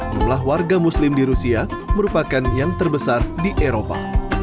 jumlah warga muslim di rusia merupakan yang terbesar di eropa